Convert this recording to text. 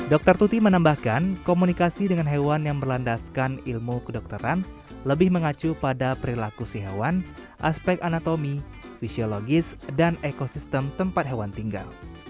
dokter tuti menambahkan komunikasi dengan hewan yang berlandaskan ilmu kedokteran lebih mengacu pada perilaku si hewan aspek anatomi fisiologis dan ekosistem tempat hewan tinggal